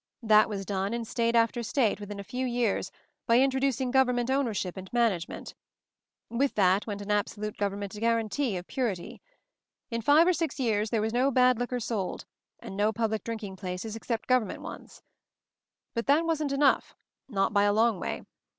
That was done in state after state, within a few years, by introducing government ownership and management. With that went an absolute government guarantee of purity. In five or six years there was no bad liquor sold, and no public drinking places except gov J ernment ones. But that wasn't enough — not by a long \ way.